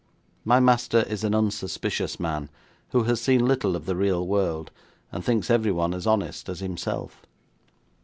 My master is an unsuspicious man, who has seen little of the real world, and thinks everyone as honest as himself.'